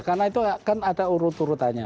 karena itu kan ada urut urutannya